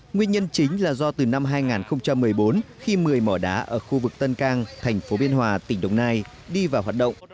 nguyên nhân chính là do từ năm hai nghìn một mươi bốn khi một mươi mỏ đá ở khu vực tân cang thành phố biên hòa tỉnh đồng nai đi vào hoạt động